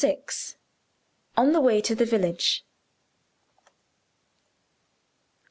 ON THE WAY TO THE VILLAGE.